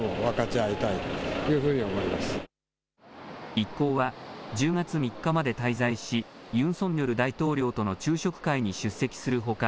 一行は１０月３日まで滞在しユン・ソンニョル大統領との昼食会に出席するほか